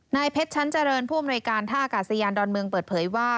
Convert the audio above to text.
นายเพชรชั้นเจริญผู้อำนวยการท่าอากาศยานดอนเมืองเปิดเผยว่า